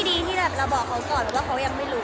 ดีที่เราบอกเขาก่อนแล้วเขายังไม่รู้